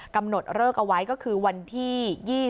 กำหนดเลิกเอาไว้ก็คือวันที่๒๒